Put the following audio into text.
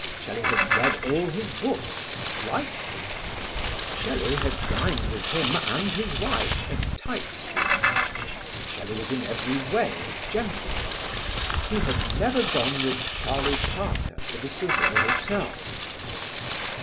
Shelley had read all his books and liked them. Shelley had dined with him and his wife at Tite Street. Shelley was in every way a gentleman. He had never gone with Charlie Parker to the Savoy Hotel.